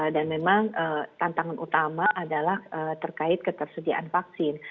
dan memang tantangan utama adalah terkait ketersediaan